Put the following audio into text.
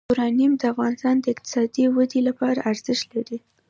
یورانیم د افغانستان د اقتصادي ودې لپاره ارزښت لري.